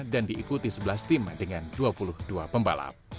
dan diikuti sebelas tim dengan dua puluh dua pembalap